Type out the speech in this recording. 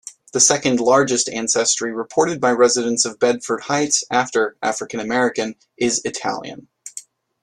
The second largest ancestry reported by residents of Bedford Heights, after African-American, is Italian.